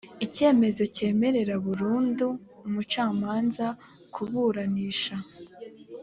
icyemezo cyemerera burundu umucamanza kuburanisha